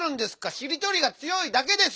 しりとりがつよいだけです！